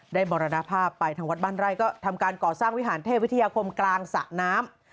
มรณภาพไปทางวัดบ้านไร่ก็ทำการก่อสร้างวิหารเทพวิทยาคมกลางสระน้ำ